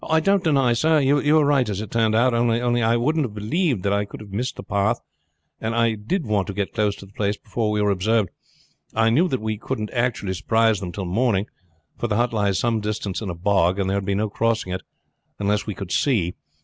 "I don't deny, sir, you were right as it has turned out; only I wouldn't have believed that I could have missed the path, and I did want to get close to the place before we were observed. I knew that we couldn't actually surprise them till morning; for the hut lies some distance in a bog, and there would be no crossing it unless we could see.